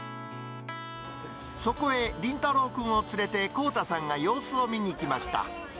そこへ、倫太朗くんを連れて、幸太さんが様子を見に来ました。